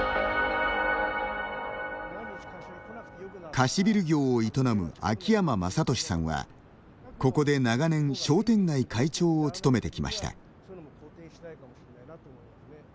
貸しビル業を営む秋山正利さんはここで長年商店街会長を務めてきました。